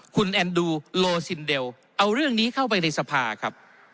คุณแอนดูโลซินเดลเอาเรื่องนี้เข้าไปในสภาครับ